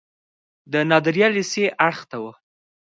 د نادریه لیسې اړخ ته و.